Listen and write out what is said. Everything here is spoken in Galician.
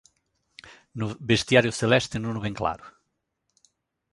No vestiario celeste non o ven claro.